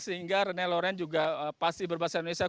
sehingga rene lawrence juga pasti berbahasa indonesia